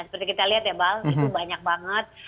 seperti kita lihat ya bang itu banyak banget